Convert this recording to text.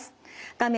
画面